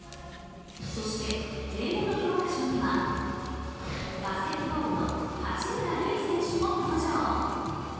そして、英語の教科書にはバスケットボールの八村塁選手も登場。